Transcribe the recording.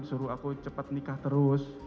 suruh aku cepat nikah terus